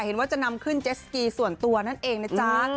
เห็นว่าจะนำขึ้นเจสสกีส่วนตัวนั่นเองนะจ๊ะ